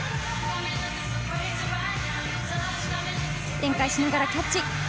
転回しながらキャッチ。